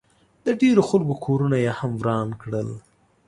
د ډېرو خلکو کورونه ئې هم وران کړل